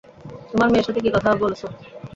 তোমার মেয়ের সাথে কি কথা বলেছ?